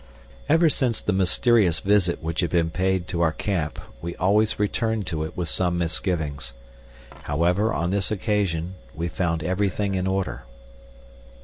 Ever since the mysterious visit which had been paid to our camp we always returned to it with some misgivings. However, on this occasion we found everything in order.